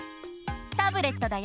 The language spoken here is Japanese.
タブレットだよ！